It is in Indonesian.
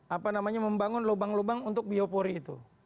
apa namanya membangun lubang lubang untuk biopori itu